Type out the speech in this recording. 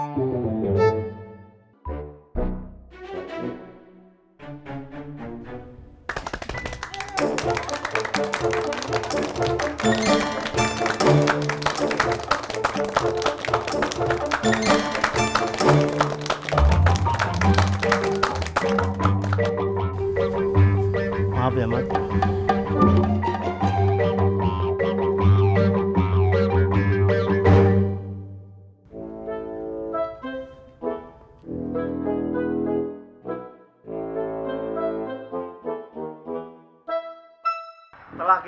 waalaikumsalam warahmatullahi wabarakatuh